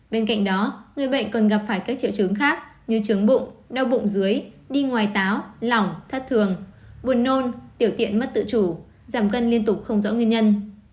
bên cạnh đó người bệnh còn gặp phải các triệu chứng khác như trường bụng đau bụng dưới đi ngoài táo lỏng thất thường buồn nôn tiểu tiện mất tự chủ giảm cân liên tục không rõ nguyên nhân